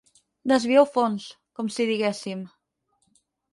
Desvieu fons, com si diguéssim.